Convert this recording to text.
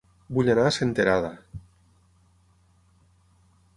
Vull anar a Senterada